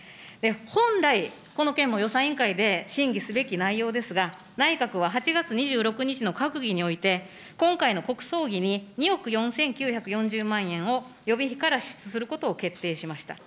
本来、この件も予算委員会で審議すべき内容ですが、内閣は８月２６日の閣議において、今回の国葬儀に２億４９４０万円を予備費から支出することを決定しました。